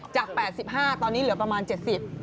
จาก๘๕กิโลถัวตอนนี้เหลือประมาณ๗๐กิโล